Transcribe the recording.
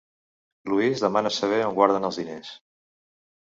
Louis demana saber on guarden els diners.